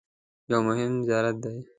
یو مهم زیارت دی.